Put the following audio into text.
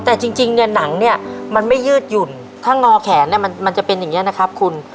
แต่จริงเนี่ยหนังเนี่ยมันไม่ยืดหยุ่นถ้างอแขนเนี่ยมันจะเป็นอย่างนี้นะครับคุณ